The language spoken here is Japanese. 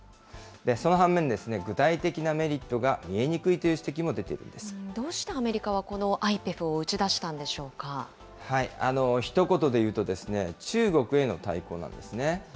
その反面、具体的なメリットが見えにくいという指摘も出ているんどうしてアメリカは、このＩひと言で言うと、中国への対抗なんですね。